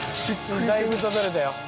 だいぶ撮れたよ。